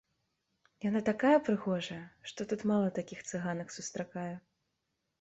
Яна такая прыгожая, што тут мала такіх цыганак сустракаю.